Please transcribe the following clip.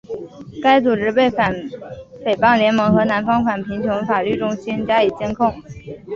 该组织被反诽谤联盟和南方反贫穷法律中心列为仇恨团体并加以监控。